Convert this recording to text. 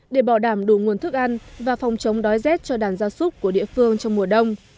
để bảo đảm đủ nguồn thức ăn và phòng chống đói rét cho đàn gia súc của địa phương trong mùa đông